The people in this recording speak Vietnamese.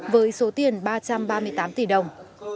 với số tiền ba trăm ba mươi tám tỷ đồng